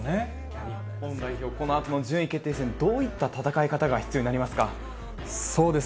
日本代表、このあとの順位決定戦、どういった戦い方が必要になりますか？